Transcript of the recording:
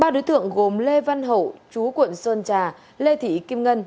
ba đối tượng gồm lê văn hậu chú quận sơn trà lê thị kim ngân